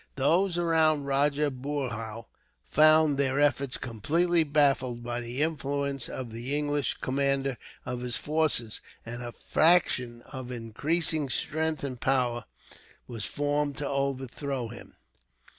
Those around Rajah Boorhau found their efforts completely baffled by the influence of the English commander of his forces, and a faction of increasing strength and power was formed to overthrow him.